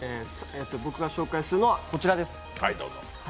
僕が紹介するのこちらです。